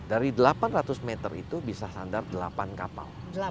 dari delapan ratus meter itu bisa sandar delapan kapal